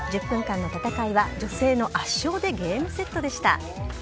１０分間の戦いは女性の圧勝でゲームセットでした。